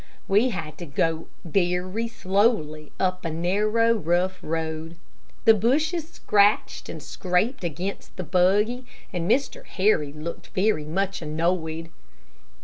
We had to go very slowly up a narrow, rough road. The bushes scratched and scraped against the buggy, and Mr. Harry looked very much annoyed.